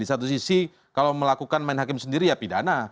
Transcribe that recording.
di satu sisi kalau melakukan main hakim sendiri ya pidana